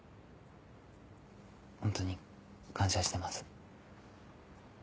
ホントに感謝してます。